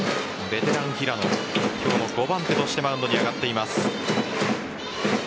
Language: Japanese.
ベテラン・平野今日の５番手としてマウンドに上がっています。